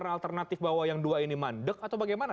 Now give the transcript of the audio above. alternatif bahwa yang dua ini mandek atau bagaimana